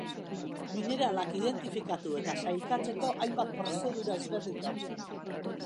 Mineralak identifikatu eta sailkatzeko hainbat prozedura ezberdin daude.